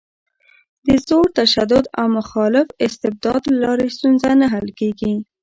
د زور، تشدد او مخالف استبداد له لارې ستونزه نه حل کېږي.